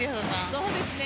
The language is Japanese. そうですね。